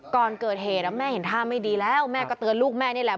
ก่อนเกิดเหตุแม่เห็นท่าไม่ดีแล้วแม่ก็เตือนลูกแม่นี่แหละ